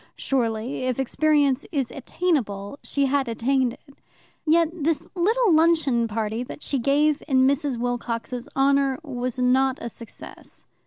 Surely, if experience is attainable, she had attained it. Yet the little luncheon party that she gave in Mrs. Wilcox's honour was not a success.